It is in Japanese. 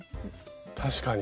確かに。